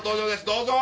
どうぞ！